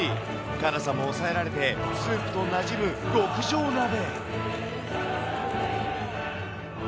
辛さも抑えられて、スープとなじむ極上鍋。